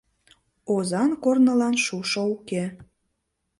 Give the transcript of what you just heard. Озан корнылан шушо уке.